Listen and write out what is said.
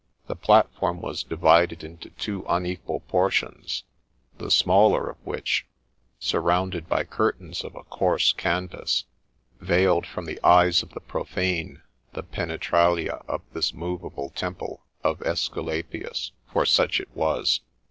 The platform was divided into two unequal portions ; the smaller of which, surrounded by curtains of a coarse canvas, veiled from the eyes of the profane the penetralia of this moveable temple of Esculapius, for such it was.